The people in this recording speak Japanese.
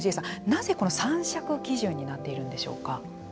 なぜこの参酌基準になっているんでしょうか。